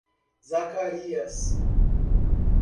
Zacarias